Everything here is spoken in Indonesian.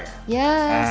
yes kecil sekali